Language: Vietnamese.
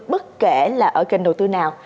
bất kể là ở kênh đầu tư nào